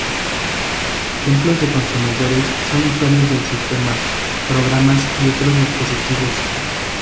Ejemplos de consumidores son usuarios del sistema, programas y otros dispositivos.